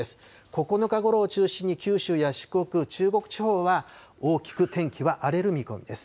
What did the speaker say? ９日ごろを中心に九州や四国、中国地方は大きく天気は荒れる見込みです。